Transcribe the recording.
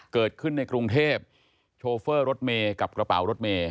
เกิดขึ้นในกรุงเทพโชเฟอร์รถเมย์กับกระเป๋ารถเมย